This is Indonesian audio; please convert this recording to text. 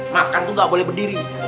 makan tuh gak boleh berdiri